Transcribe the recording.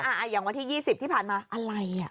อย่างวันที่๒๐ที่ผ่านมาอะไรอ่ะ